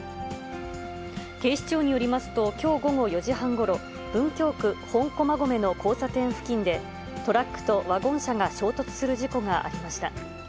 警視庁によりますと、きょう午後４時半ごろ、文京区本駒込の交差点付近で、トラックとワゴン車が衝突する事故がありました。